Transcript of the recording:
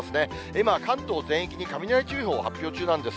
今、関東全域に雷注意報、発表中なんです。